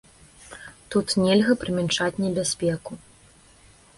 Тут нельга прымяншаць небяспеку.